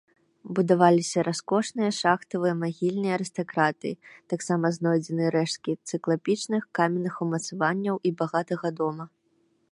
Будаваліся раскошныя шахтавыя магільні арыстакратыі, таксама знойдзены рэшткі цыклапічных каменных умацаванняў і багатага дома.